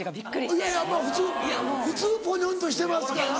いやいやまぁ普通普通ぽにょんとしてますからね。